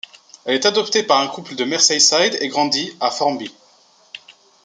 Elle est adoptée par un couple de Merseyside et grandi à Formby.